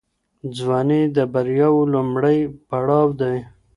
ځواني د بریاوو لومړی پړاو دی.